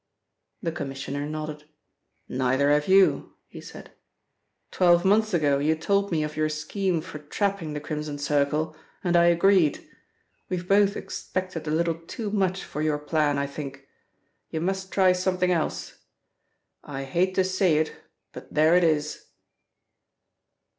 The Commissioner nodded. "Neither have you," he said. "Twelve months ago you told me of your scheme for trapping the Crimson Circle, and I agreed. We've both expected a little too much for your plan, I think. You must try something else. I hate to say it, but there it is."